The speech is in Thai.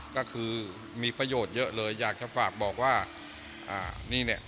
ก็คือมีประโยชน์เยอะเลยอยากจะฝากบอกว่าอ่านี่เนี่ย